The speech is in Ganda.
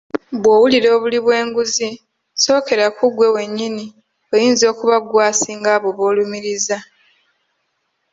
Bwowulira obuli bwenguzi sookera ku ggwe wennyini oyinza okuba gwe asinga abo boolumiriza.